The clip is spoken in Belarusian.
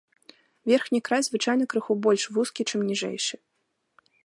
Верхні край звычайна крыху больш вузкі, чым ніжэйшы.